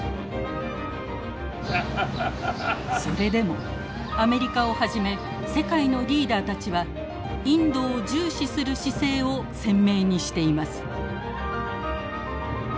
それでもアメリカをはじめ世界のリーダーたちはインドを重視する姿勢を鮮明にしています。